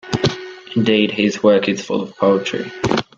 Indeed, his work is full of poetry.